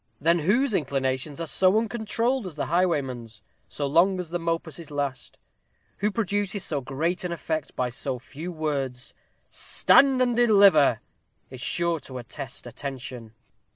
Then whose inclinations are so uncontrolled as the highwayman's, so long as the mopuses last? who produces so great an effect by so few words? 'STAND AND DELIVER!' is sure to arrest attention.